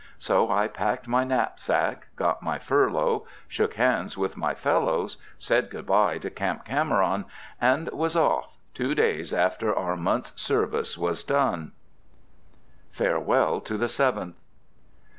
So I packed my knapsack, got my furlough, shook hands with my fellows, said good bye to Camp Cameron, and was off, two days after our month's service was done. FAREWELL TO THE SEVENTH.